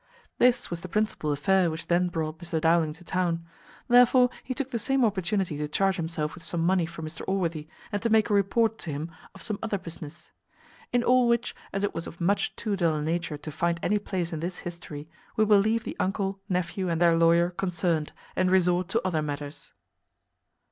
This was the principal affair which then brought Mr Dowling to town; therefore he took the same opportunity to charge himself with some money for Mr Allworthy, and to make a report to him of some other business; in all which, as it was of much too dull a nature to find any place in this history, we will leave the uncle, nephew, and their lawyer concerned, and resort to other matters.